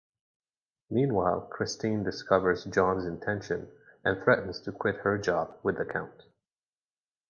Meanwhile, Christine discovers John's intentions and threatens to quit her job with the Count.